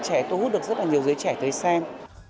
các bạn trẻ tôi hút được rất là nhiều giới trẻ tới xem